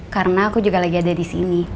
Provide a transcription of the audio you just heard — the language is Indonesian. karena aku juga lagi ada disini